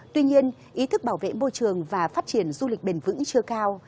tuy nhiên ý thức bảo vệ môi trường và phát triển du lịch bền vững chưa cao